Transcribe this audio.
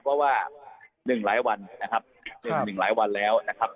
เพราะว่า๑หลายวันนะครับ๑หลายวันแล้วนะครับ